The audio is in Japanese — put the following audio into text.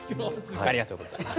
ありがとうございます。